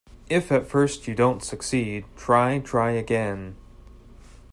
If at first you don't succeed, try, try again.